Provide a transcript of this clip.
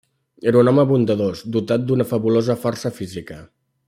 Era un home bondadós, dotat d'una fabulosa força física.